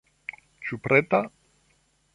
Ĉu preta?